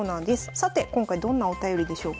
さて今回どんなお便りでしょうか。